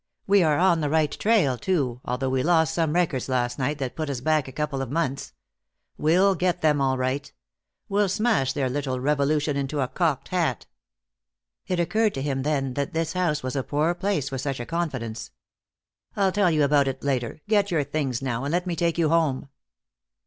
We are on the right trail, too, although we lost some records last night that put us back a couple of months. We'll get them, all right. We'll smash their little revolution into a cocked hat." It occurred to him, then, that this house was a poor place for such a confidence. "I'll tell you about it later. Get your things now, and let me take you home."